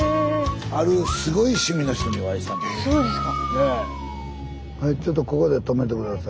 あるすごい趣味の人にお会いしたんですよ。